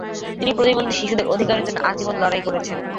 তিনি প্রতিবন্ধী শিশুদের অধিকারের জন্য আজীবন লড়াই করেছেন।